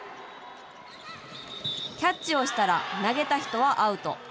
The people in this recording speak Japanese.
キャッチをしたら投げた人はアウト。